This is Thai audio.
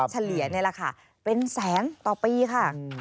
เฉลี่ยในราคาเป็นแสนต่อปีค่ะ